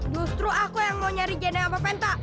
justru aku yang mau nyari jenny sama penta